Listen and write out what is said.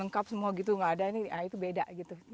lengkap semua gitu nggak ada ini itu beda gitu